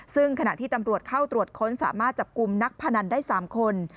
ซึ่งขณะที่ตำรวจเข้าตรวจค้นสามารถจับกลุ่มนักพนันได้๓คน